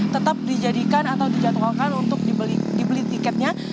tetap dijadikan atau dijadwalkan untuk dibeli tiketnya